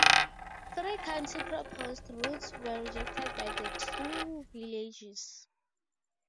Three county-proposed routes were rejected by the two villages.